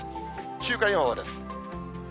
週間予報です。